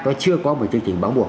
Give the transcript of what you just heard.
có chưa có một chương trình báo buộc